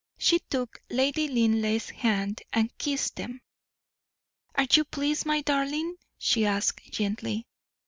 She took Lady Linleigh's hands and kissed them. "Are you pleased, my darling?" she asked, gently.